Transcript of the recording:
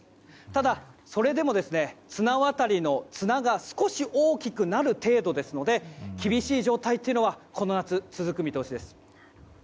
ただ、それでも綱渡りの綱が少し大きくなる程度ですので厳しい状態はこの夏、続く見通しです。